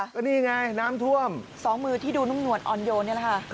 ก็นี่ไงน้ำท่วมสองมือที่ดูนุ่มหวดอ่อนโยนนี่แหละค่ะ